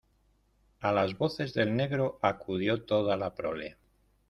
a las voces del negro acudió toda la prole.